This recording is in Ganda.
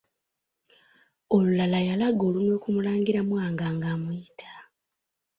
Olulala yalaga olunwe ku Mulangira Mwanga ng'amuyita.